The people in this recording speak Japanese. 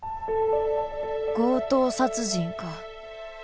強盗殺人か？